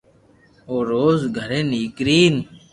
او روز گھرو نيڪرين